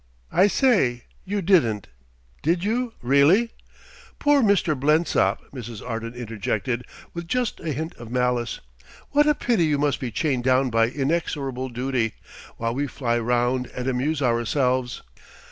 "I say, you didn't, did you, really?" "Poor Mr. Blensop!" Mrs. Arden interjected with just a hint of malice. "What a pity you must be chained down by inexorable duty, while we fly round and amuse ourselves."